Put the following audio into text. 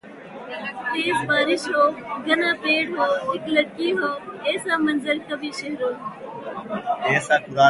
تیز بارش ہو گھنا پیڑ ہو اِک لڑکی ہوایسے منظر کبھی شہروں